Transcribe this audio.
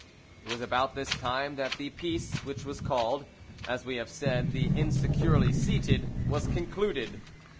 It was about this time that the peace, which was called, as we have said, "the insecurely seated," was concluded.